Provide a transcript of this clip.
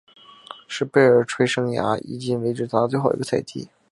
是贝尔垂生涯迄今为止打得最好的一个赛季。